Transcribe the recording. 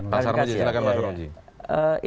pak sarmoji silahkan